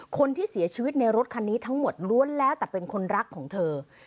คนที่เสียชีวิตในรถคันนี้ทั้งหมดล้วนแล้วแต่เป็นคนรักของเธอ